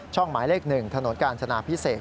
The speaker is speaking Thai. ช่องหมายเลขหนึ่งถนนการสนาพิเศษ